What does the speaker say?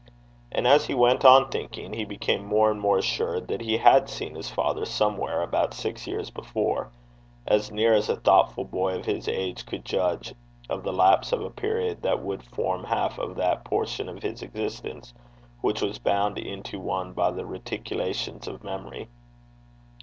And, as he went on thinking, he became more and more assured that he had seen his father somewhere about six years before, as near as a thoughtful boy of his age could judge of the lapse of a period that would form half of that portion of his existence which was bound into one by the reticulations of memory.